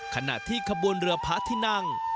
ขณะที่ขบวนเรือพระที่นั่ง